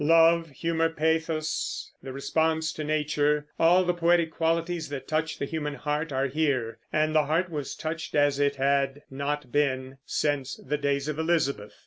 Love, humor, pathos, the response to nature, all the poetic qualities that touch the human heart are here; and the heart was touched as it had not been since the days of Elizabeth.